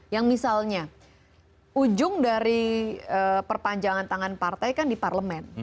yang misalnya ujung dari perpanjangan tangan partai kan di parlemen